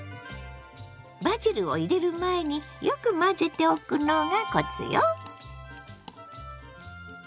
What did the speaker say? バジルを入れる前によく混ぜておくのがコツよ。